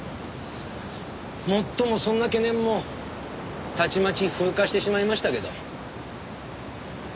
もっともそんな懸念もたちまち風化してしまいましたけど。